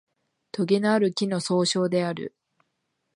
とげのある木の総称である